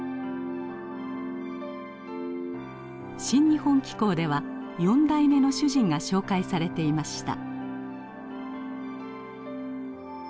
「新日本紀行」では４代目の主人が紹介されていました。